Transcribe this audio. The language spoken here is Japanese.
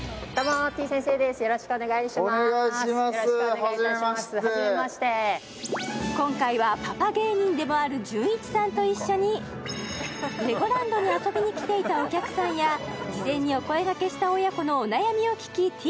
はじめましてはじめまして今回はパパ芸人でもあるじゅんいちさんと一緒にレゴランドに遊びにきていたお客さんや事前にお声がけした親子のお悩みを聞きてぃ